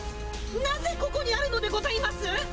なぜここにあるのでございます！？